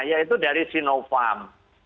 yaitu dari sinovac